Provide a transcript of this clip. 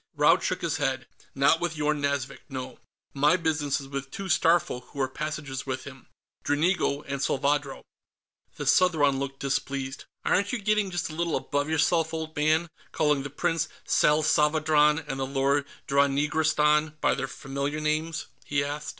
Raud shook his head. "Not with Yorn Nazvik, no. My business is with the two Starfolk who are passengers with him. Dranigo and Salvadro." The Southron looked displeased. "Aren't you getting just a little above yourself, old man, calling the Prince Salsavadran and the Lord Dranigrastan by their familiar names?" he asked.